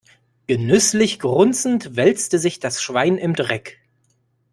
Genüsslich grunzend wälzte sich das Schwein im Dreck.